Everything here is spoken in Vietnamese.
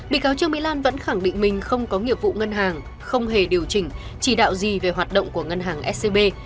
bị cáo trương mỹ lan vẫn khẳng định mình không có nghiệp vụ ngân hàng không hề điều chỉnh chỉ đạo gì về hoạt động của ngân hàng scb